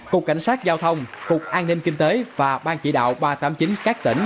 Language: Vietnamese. cục cảnh sát giao thông cục an ninh kinh tế và ban chỉ đạo ba trăm tám mươi chín các tỉnh